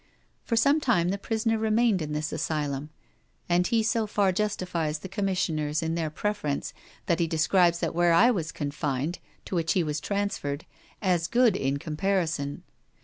For some time the prisoner remained in this asylum; and he so far justifies the Commissioners in their preference, that he describes that where I was confined, to which he was transferred, as good in comparison.